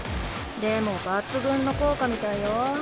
でも抜群の効果みたいよ。